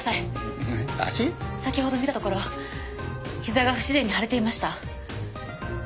先ほど見たところ膝が不自然に腫れていました。